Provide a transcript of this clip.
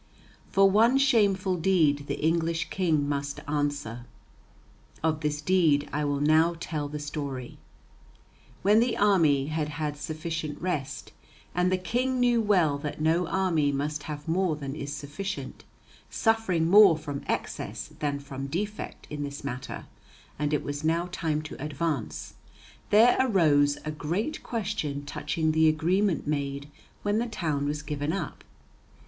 For one shameful deed the English King must answer. Of this deed I will now tell the story. When the army had had sufficient rest and the King knew well that no army must have more than is sufficient, suffering more from excess than from defect in this matter and it was now time to advance, there arose a great question touching the agreement made when the town was given up.